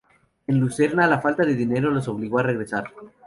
En Lucerna, la falta de dinero los obligó a regresar.